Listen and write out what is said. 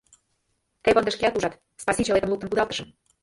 Теве ынде шкеат ужат: спасичелетым луктын кудалтышым.